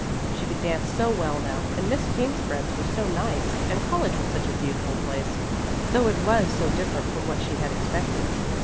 She could dance so well now, and Miss King's friends were so nice, and college was such a beautiful place, though it was so different from what she had expected.